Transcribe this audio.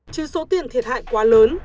chứ số tiền thiệt hại quá lớn